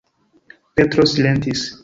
Petro silentis.